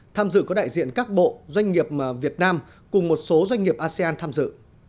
tham dự có đại diện các bộ doanh nghiệp việt nam cùng một số doanh nghiệp asean tham dự